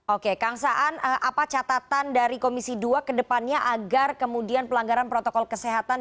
oke kang saan apa catatan dari komisi dua ke depannya agar kemudian pelanggaran protokol kesehatan